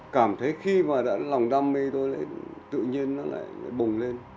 cảm thấy khi mà đã lòng đam mê tôi lại tự nhiên nó lại bùng lên